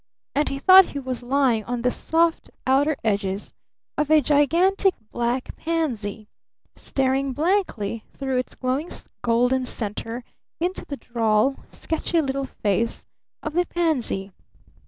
And he thought he was lying on the soft outer edges of a gigantic black pansy, staring blankly through its glowing golden center into the droll, sketchy little face of the pansy.